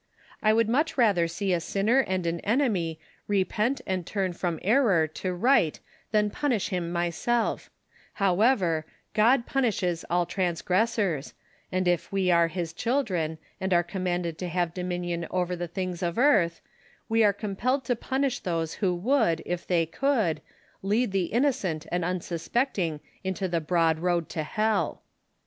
"• I would much rather see a sinner and an enemy repent and turn from error to right than punish him myself ; how ever, God punishes all transgressors, and if we are His children and are commanded to have dominion over the things of earth, we are compelled to punish those who would, if they could, lead the innocent and unsuspecting into the broad road to hell.